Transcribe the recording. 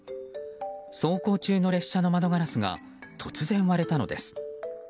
走行中の列車の窓ガラスが突然割れたのです。